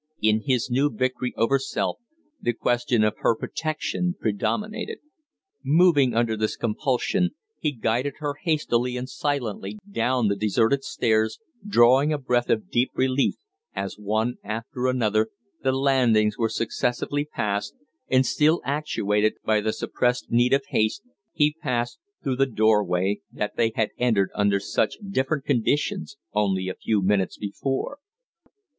In his new victory over self, the question of her protection predominated. Moving under this compulsion, he guided her hastily and silently down the deserted stairs, drawing a breath of deep relief as, one after another, the landings were successively passed; and still actuated by the suppressed need of haste, he passed through the door way that they had entered under such different conditions only a few minutes before.